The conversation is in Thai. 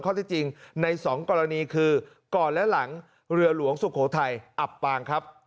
ที่จริงใน๒กรณีคือก่อนและหลังเรือหลวงสุโขทัยอับปางครับ